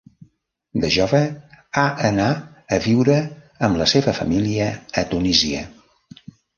De jove a anar a viure amb la seva família a Tunísia.